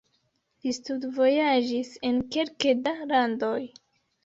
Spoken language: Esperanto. Li studvojaĝis en kelke da landoj.